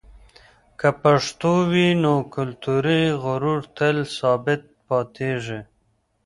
که پښتو وي، نو کلتوري غرور تل ثابت پاتېږي.